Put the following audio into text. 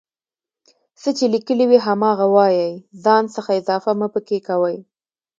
څه چې ليکلي وي هماغه وايئ ځان څخه اضافه مه پکې کوئ